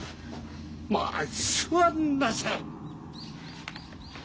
まあ座んなさい！